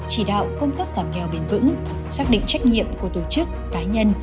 chỉ đạo công tác giảm nghèo bền vững xác định trách nhiệm của tổ chức cá nhân